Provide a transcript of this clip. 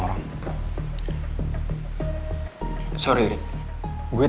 emang gak boleh